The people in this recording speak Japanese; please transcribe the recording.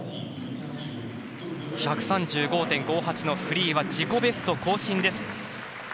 １３５．５８のフリーは自己ベスト更新です。